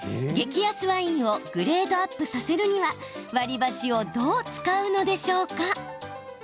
激安ワインをグレードアップさせるには割り箸をどう使うのでしょうか？